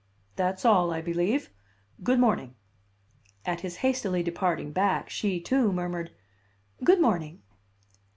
"That's all, I believe. Good morning." At his hastily departing back she, too, murmured: "Good morning."